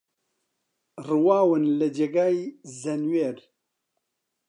ڕواون لە جێگای زەنوێر